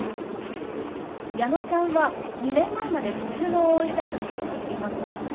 矢野さんは２年前まで普通のＯＬだったと伺っていますが。